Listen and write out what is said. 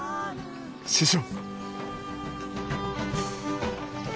師匠。